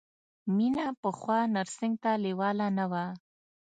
مینه پخوا نرسنګ ته لېواله نه وه